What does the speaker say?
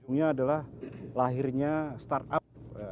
ini adalah lahirnya startup